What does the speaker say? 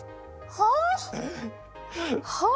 はあ！